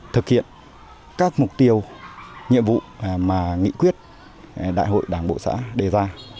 thực hiện các mục tiêu nhiệm vụ mà nghị quyết đại hội đảng bộ xã đề ra